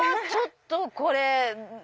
ちょっとこれ！